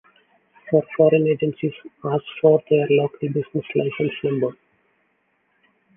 For foreign agencies, ask for their local business license number.